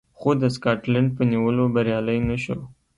خو د سکاټلنډ په نیولو بریالی نه شو